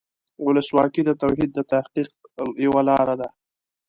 ولسواکي د توحید د تحقق یوه لاره ده.